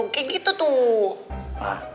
kayak gitu tuh